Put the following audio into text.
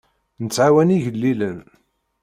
Nettɛawan igellilen.